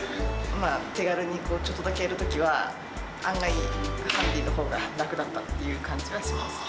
まあ、手軽にちょっとだけやるときは、案外ハンディーのほうが楽だったっていう感じはしますね。